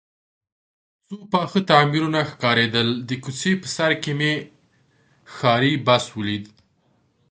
څو پاخه تعمیرونه ښکارېدل، د کوڅې په سر کې مې ښاري بس ولید.